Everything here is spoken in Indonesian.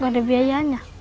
gak ada biaya